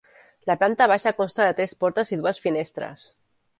La planta baixa consta de tres portes i dues finestres.